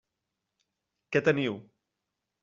Què teniu?